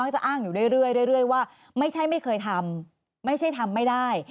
จะอ้างอยู่เรื่อยว่าไม่ใช่ไม่เคยทำไม่ใช่ทำไม่ได้